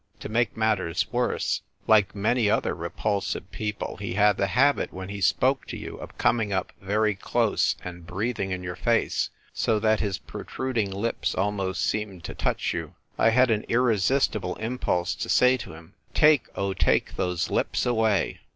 To make matters worse, like many other repulsive people, he had the habit when he spoke to you of coming up very close and breathing in your face, so that his protruding lips almost seemed to touch you. I had an irresistible im pulse to say to him, "Take, oh take those lips away